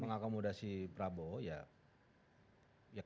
mengakomodasi prabowo ya